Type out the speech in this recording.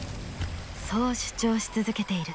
そう主張し続けている。